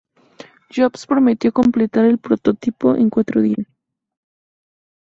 Jobs prometió completar el prototipo en cuatro días.